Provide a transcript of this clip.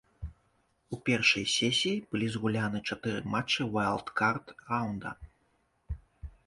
У першай сесіі былі згуляны чатыры матчы ўайлдкард раўнда.